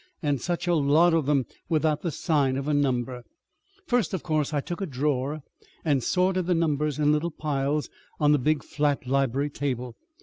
And such a lot of them without the sign of a number! "First, of course, I took a drawer and sorted the numbers into little piles on the big flat library table.